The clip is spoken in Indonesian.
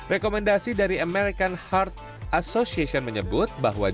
rekomendasi dari american heart association menyebut bahwa